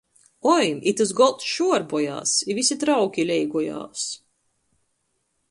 Oi, itys golds švuorbojās i vysi trauki leigojās!